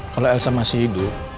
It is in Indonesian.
kalau elsa masih hidup